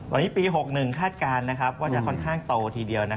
ตอนนี้ปี๖๑คาดการณ์ว่าจะค่อนข้างโตทีเดียว